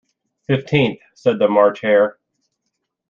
‘Fifteenth,’ said the March Hare.